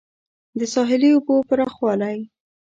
د ساحلي اوبو پراخوالی